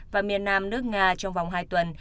và miền nam nước nga trong vòng hai tuần